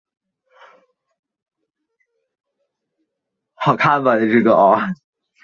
还是会被扔在厨余回收箱中等待循环再用的下一个热恋周期？